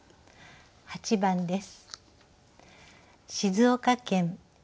８番です。